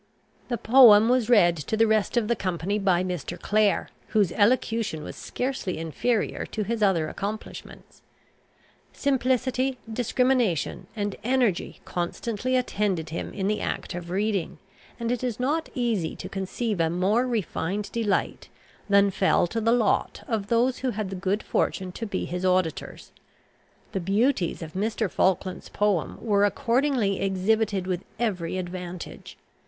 The poem was read to the rest of the company by Mr. Clare, whose elocution was scarcely inferior to his other accomplishments. Simplicity, discrimination, and energy constantly attended him in the act of reading, and it is not easy to conceive a more refined delight than fell to the lot of those who had the good fortune to be his auditors. The beauties of Mr. Falkland's poem were accordingly exhibited with every advantage.